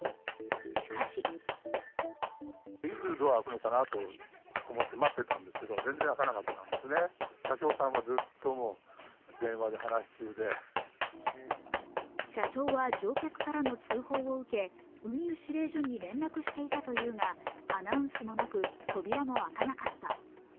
しかし車掌は乗客からの通報を受け運輸司令所に連絡していたというがアナウンスもなく、扉も開かなかった。